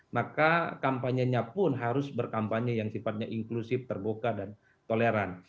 maka kampanyenya pun harus berkampanye yang sifatnya inklusif terbuka dan toleran